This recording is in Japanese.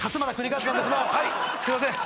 はいすいません